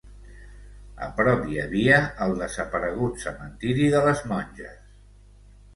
A prop hi havia el desaparegut Cementiri de les Monges.